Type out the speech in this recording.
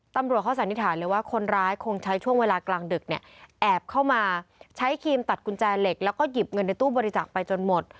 ตำรวจเขาสันนิษฐานเลยว่าคนร้ายคงใช้ช่วงเวลากลางดึกเนี่ยแอบเข้ามาใช้ครีมตัดกุญแจเหล็กแล้วก็หยิบเงินในตู้บริจาคไปจนหมด